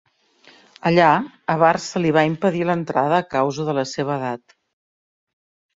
Allà, a Bart se li va impedir l'entrada a causa de la seva edat.